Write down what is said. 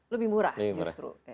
lebih murah justru